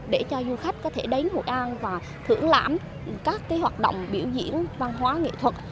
để cho du khách có thể đến với hội an và thử làm các hoạt động biểu diễn